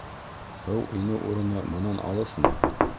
Һыу инеү урыны бынан алыҫмы?